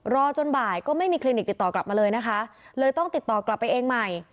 จนบ่ายก็ไม่มีคลินิกติดต่อกลับมาเลยนะคะเลยต้องติดต่อกลับไปเองใหม่